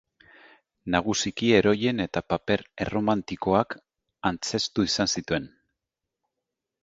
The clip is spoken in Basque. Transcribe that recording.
Nagusiki heroien eta paper erromantikoak antzeztu izan zituen.